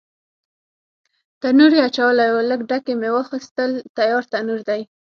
تنور یې اچولی و، لږ ډکي مې واخیستل، تیار تنور دی.